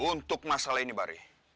untuk masalah ini bari